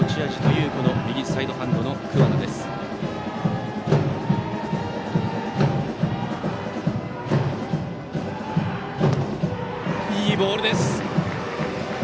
いいボールです。